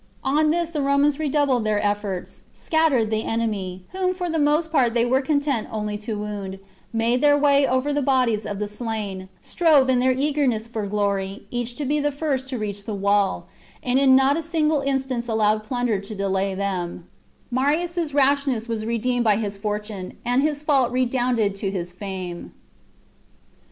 On this the Romans redoubled their efforts, scattered the enemy, whom for the most part they were content only to wound, made their way over the bodies of the slain, strove, in their eagerness for glory, each to be the first to reach the wall, and in not a single instance allowed plunder to delay them, Marius' rashness was redeemed by his fortune, and his fault redounded to his fame.